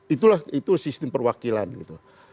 itulah sistem perwakilan gitu